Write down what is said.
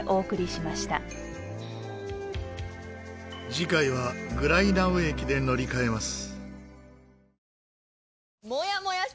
次回はグライナウ駅で乗り換えます。